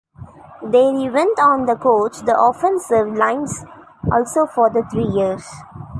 There he went on to coach the offensive line also for three years.